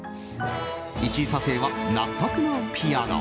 １位査定は納得のピアノ。